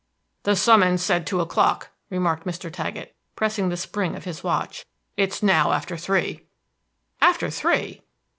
"The summons said two o'clock," remarked Mr. Taggett, pressing the spring of his watch. "It is now after three." "After three!"